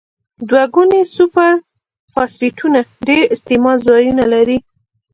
دوه ګونې سوپر فاسفیټونه ډیر استعمال ځایونه لري.